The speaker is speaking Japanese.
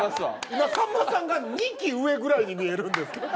今さんまさんが２期上ぐらいに見えるんですけど。